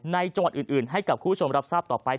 จังหวัดอื่นให้กับคุณผู้ชมรับทราบต่อไป